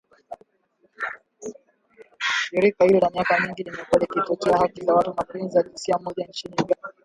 Shirika hilo kwa miaka mingi limekuwa likitetea haki za watu wa mapenzi ya jinsia moja nchini Uganda.